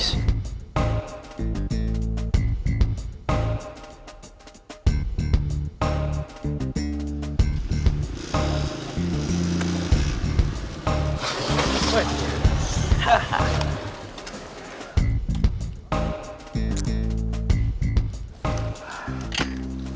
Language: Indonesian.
lo harus tahu